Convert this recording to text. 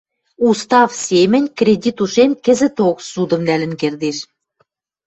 Устав семӹнь кредит ушем кӹзӹток ссудым нӓлӹн кердеш.